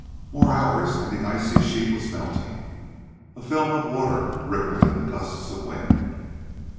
More hours, and the icy sheet was melting. A film of water rippled in the gusts of wind.